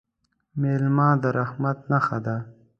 مېلمه د رحمت نښه ده.